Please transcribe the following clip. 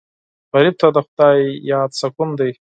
غریب ته د خدای یاد سکون دی